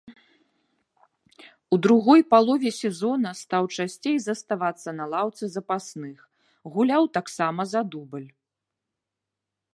У другой палове сезона стаў часцей заставацца на лаўцы запасных, гуляў таксама за дубль.